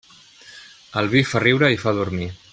El vi fa riure i fa dormir.